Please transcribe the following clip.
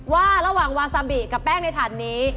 ว่าระหว่างวาซาบิกับแป้งในถันนี้